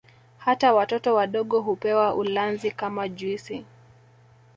Hata watoto wadogo hupewa ulanzi kama juisi